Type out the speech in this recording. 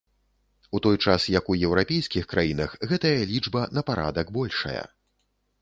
У той час, як у еўрапейскіх краінах гэтая лічба на парадак большая.